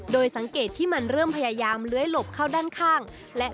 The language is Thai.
โดยสังเกตที่มันเริ่มพยายามเลื้อยหลบเข้าด้านข้าง